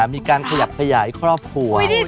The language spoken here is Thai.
มีการขยับขยายครอบครัว